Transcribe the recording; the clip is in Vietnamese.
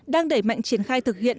đang đẩy mạnh triển khai thực hiện